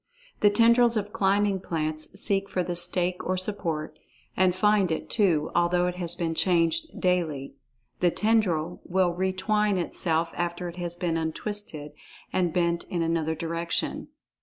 The tendrils of climbing plants seek for the stake or support, and find it, too, although it has been changed daily. The tendril will retwine itself, after it has been untwisted and bent in another direction.